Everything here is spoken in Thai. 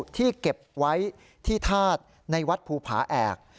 ที่เก็บไว้ที่ธาตุในวัดภูผาแอก